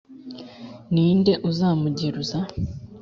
ni nde uzamugeruza ?